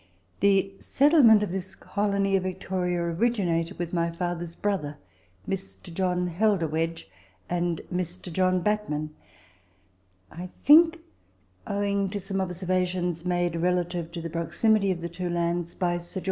The settlement of this colony of Victoria originated with my father's brother, Mr. John Helder Wedge, and Mr. John Batman (I think, owing to some observations made relative to the proximity of the two lands by Sir Geo.